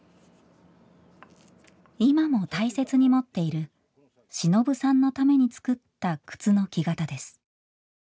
今も大切に持っているしのぶさんのために作った靴の木型です。